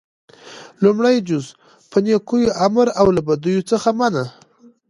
لومړی جز - په نيکيو امر او له بديو څخه منع: